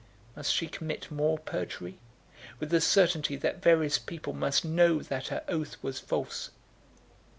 Must she commit more perjury, with the certainty that various people must know that her oath was false?